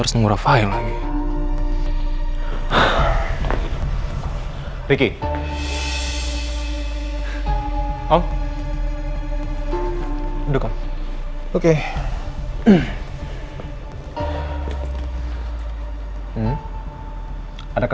sebaiknya kamu cintakan aku